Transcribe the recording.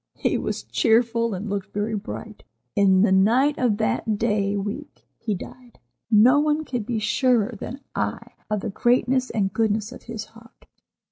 He was cheerful, and looked very bright. In the night of that day week he died. No one can be surer than I of the greatness and goodness of his heart.